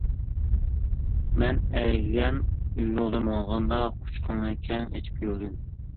مەن ئەگىگەن يولدا ماڭغاندا، قۇچىقىڭنى كەڭ ئېچىپ يۈرگىن.